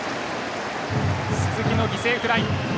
鈴木の犠牲フライ。